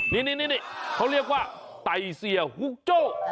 นี่เขาเรียกว่าไตเซียฮุกโจ้